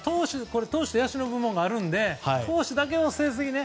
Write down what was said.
投手と野手の部門があるので投手だけの成績でね。